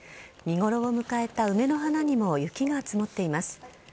見ごろを迎えた梅の花にも雪が積もっています。